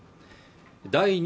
第２